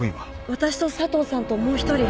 私と佐藤さんともう一人。